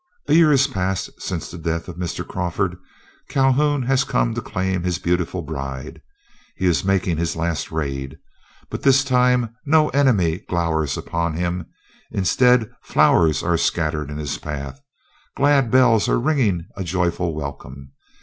A year has passed since the death of Mr. Crawford. Calhoun has come to claim his beautiful bride. He is making his last raid; but this time no enemy glowers upon him. Instead, flowers are scattered in his path; glad bells are ringing a joyful welcome.